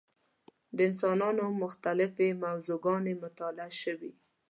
د انسانانو مختلفې موضوع ګانې مطالعه شوې.